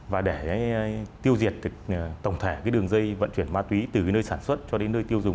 và để tiêu diệt tổng thể cái đường dây vận chuyển ma túy từ nơi sản xuất cho đến nơi tiêu dùng